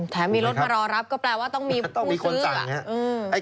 มีรถมารอรับก็แปลว่าต้องมีผู้ซื้ออ่ะ